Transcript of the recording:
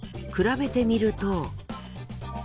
比べてみると。